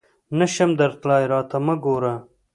نه شم درتلای ، راته مه ګوره !